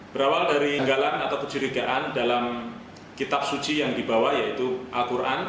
berawal dari inggalan atau kecurigaan dalam kitab suci yang dibawa yaitu al quran